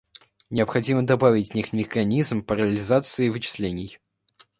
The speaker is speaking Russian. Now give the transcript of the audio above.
Необходимо добавить в них механизм параллелизации вычислений